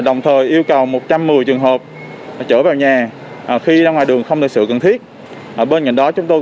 đồng thời yêu cầu một trăm một mươi trường hợp chở vào nhà khi ra ngoài đường không đợi sự cần thiết